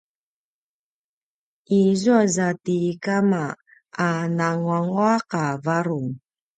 izua za ti kama a nanguanguaq a varung